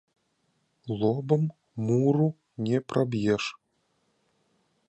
Лобам муру не праб’еш